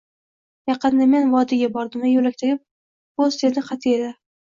Yaqinda men vodiyga bordim va yo'lakdagi post yana "qat'iy" edi